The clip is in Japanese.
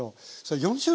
４種類。